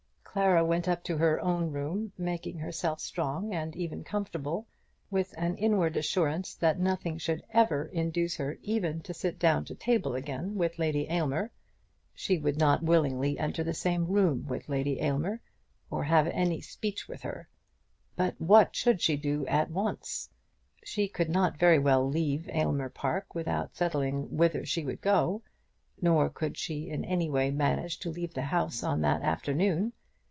Clara went up to her own room, making herself strong and even comfortable, with an inward assurance that nothing should ever induce her even to sit down to table again with Lady Aylmer. She would not willingly enter the same room with Lady Aylmer, or have any speech with her. But what should she at once do? She could not very well leave Aylmer Park without settling whither she would go; nor could she in any way manage to leave the house on that afternoon.